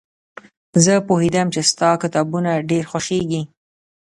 زه پوهېدم چې ستا کتابونه ډېر خوښېږي.